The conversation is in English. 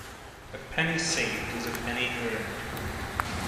A penny saved is a penny earned.